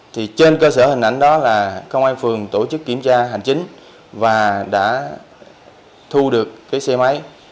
thì trên cơ sở hình ảnh đó là công an phường tổ chức kiểm tra hành chính và đã thu được cái xe máy